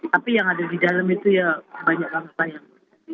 tapi yang ada di dalam itu ya banyak bangsa yang